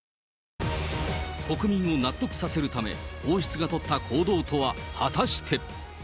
国民を納得させるため、王室が取った行動とは、果たして。